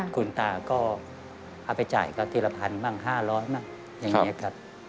คุณตาก็เอาไปจ่ายก็ทีละพันบ้าง๕๐๐บ้างอย่างนี้ครับ